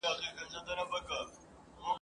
ستونی ولي په نارو څیرې ناحقه !.